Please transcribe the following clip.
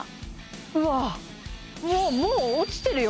うわあもう落ちてるよ